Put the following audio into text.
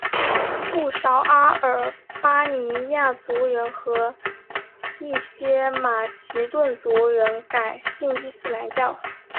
不少阿尔巴尼亚族人和一些马其顿族人改信伊斯兰教。